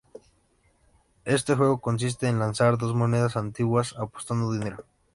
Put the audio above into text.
Este juego consiste en lanzar dos monedas antiguas apostando dinero.